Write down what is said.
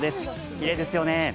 きれいですよね。